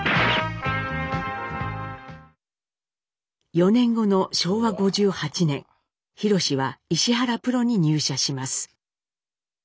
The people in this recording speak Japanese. ４年後の昭和５８年ひろしは石原プロに入社します。